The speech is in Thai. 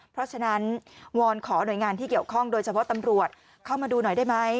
เพราะฉะนั้นวอนขอหน่วยงานที่เกี่ยวข้องโดยเฉพาะตำรวจเข้ามาดูหน่อยได้ไหม